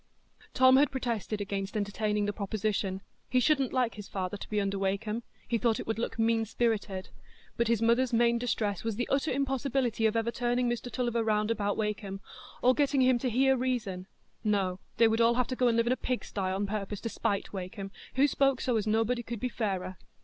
Tom had protested against entertaining the proposition. He shouldn't like his father to be under Wakem; he thought it would look mean spirited; but his mother's main distress was the utter impossibility of ever "turning Mr Tulliver round about Wakem," or getting him to hear reason; no, they would all have to go and live in a pigsty on purpose to spite Wakem, who spoke "so as nobody could be fairer."